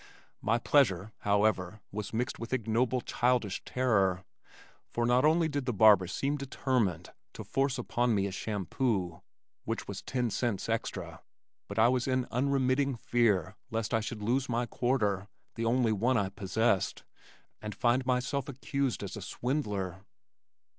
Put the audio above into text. My pleasure, however, was mixed with ignoble childish terror, for not only did the barber seem determined to force upon me a shampoo (which was ten cents extra), but I was in unremitting fear lest I should lose my quarter, the only one I possessed, and find myself accused as a swindler.